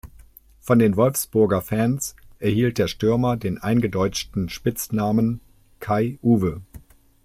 Von den Wolfsburger Fans erhielt der Stürmer den „eingedeutschten“ Spitznamen „Kai-Uwe“.